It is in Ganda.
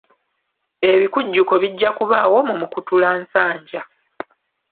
Ebikujjuko bijja kubaawo mu Mukutulansanja.